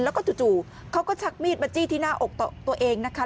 แล้วก็จู่เขาก็ชักมีดมาจี้ที่หน้าอกตัวเองนะคะ